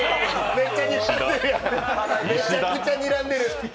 めちゃくちゃにらんでる！